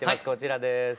こちらです。